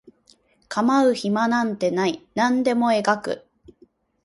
構う暇なんてない何でも描く